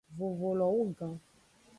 Vovo lo wugan.